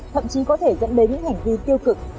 thậm chí có thể dẫn đến những hành vi tiêu cực